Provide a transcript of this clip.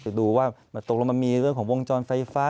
ดูว่าตกลงมันมีเรื่องของวงจรไฟฟ้า